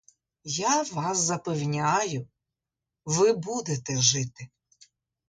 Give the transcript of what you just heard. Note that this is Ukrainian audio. Я вас запевняю: ви будете жити.